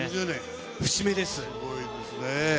すごいですね。